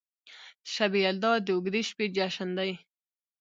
شب یلدا د اوږدې شپې جشن دی.